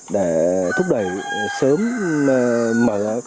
để thúc đẩy sớm mở các